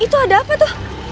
itu ada apa tuh